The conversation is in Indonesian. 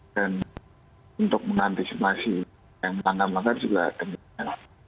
dan untuk mengantisipasi yang melanggar melanggar juga